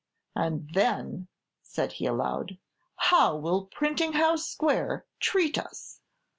"And then," said he, aloud, "how will Printing House Square treat us?